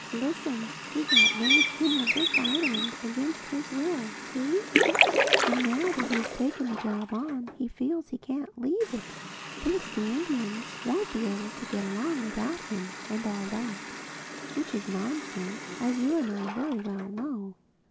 Listen: he got made king of this island against his will, see? And now that he has taken the job on, he feels that he can't leave it—thinks the Indians won't be able to get along without him and all that—which is nonsense, as you and I very well know.